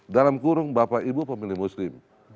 dalam kurung bapak ibu pemilih muslim